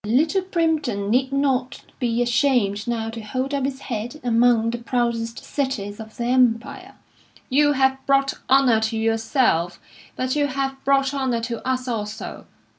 Little Primpton need not be ashamed now to hold up its head among the proudest cities of the Empire. You have brought honour to yourself, but you have brought honour to us also.